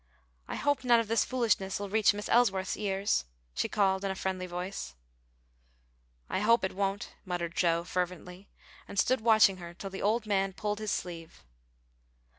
"I hope none of this foolishness'll reach Mis' Elsworth's ears," she called, in a friendly voice. "I hope it won't," muttered Joe, fervently, and stood watching her till the old man pulled his sleeve.